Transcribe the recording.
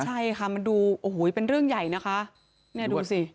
ใช่ค่ะมันดูโอ้โหเป็นเรื่องใหญ่นะคะเนี่ยดูสิ